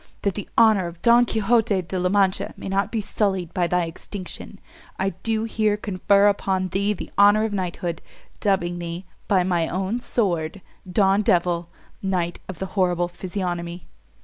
that the honour of Don Quixote De la Mancha may not be sullied by thy extinction, I do here confer upon thee the honour of knighthood, dubbing thee, by my own sword, Don Devil, knight of the horrible physiognomy."